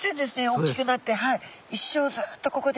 大きくなって一生ずっとここで。